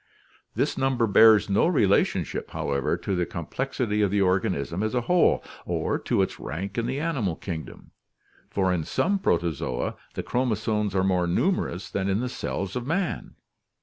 This number bears no relationship, however, to the complexity of the organism as a whole, or to its rank in the animal kingdom, for in some Protozoa the chromosomes are more numerous than in the cells of man.